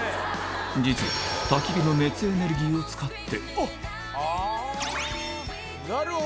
実は焚き火の熱エネルギーを使ってなるほど！